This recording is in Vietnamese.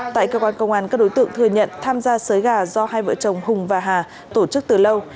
tại cơ quan công an các đối tượng thừa nhận tham gia xới gà do hai vợ chồng hùng và hà tổ chức từ lâu